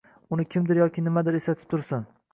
Uni kimdir yoki nimadir eslatib tursin.